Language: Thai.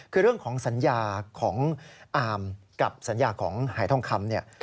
คือเรื่องของสัญญาของอาร์มกับสัญญาของหายทองคำเนี่ย